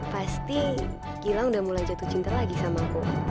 pasti gila udah mulai jatuh cinta lagi sama aku